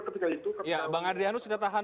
ketika itu ya bang adrianus sudah tahan